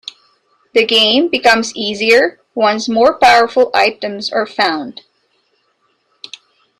The game becomes easier once more powerful items are found.